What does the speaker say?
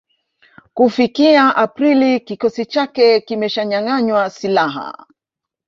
Kufikia Aprili kikosi chake kimeshanyanganywa silaha